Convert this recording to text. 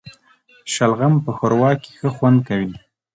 شلغم په ښوروا کي ښه خوند کوي